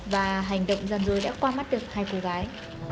và hành động gian dối đã qua mắt được hai cô gái